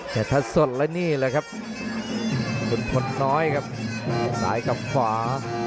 แถวทัศนแล้วนี่แหละครับขุนพลหน้าครับสายกับขวา